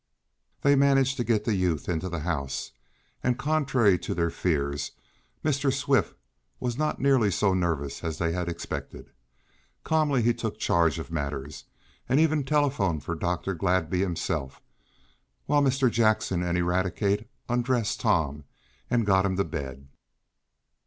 They managed to get the youth into the house, and, contrary to their fears, Mr. Swift was not nearly so nervous as they had expected. Calmly he took charge of matters, and even telephoned for Dr. Gladby himself, while Mr. Jackson and Eradicate undressed Tom and got him to bed.